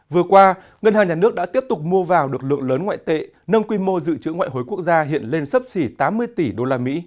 vừa qua ngân hàng nhà nước đã tiếp tục mua vào được lượng lớn ngoại tệ nâng quy mô dự trữ ngoại hối quốc gia hiện lên sấp xỉ tám mươi tỷ usd